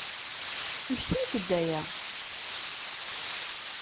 Mmektimt-d aya!